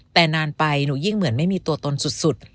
แต่นานไปหนูยิ่งเหมือนไม่มีตัวตนสุด